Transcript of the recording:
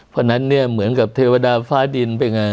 เพราะฉะนั้นเนี่ยเหมือนกับเทวดาฟ้าดินเป็นไง